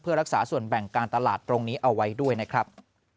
เพื่อรักษาส่วนแบ่งการตลาดตรงนี้เอาไว้ด้วยนะครับ